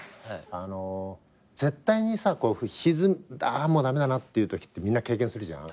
絶対にさあもう駄目だなっていうときってみんな経験するじゃん？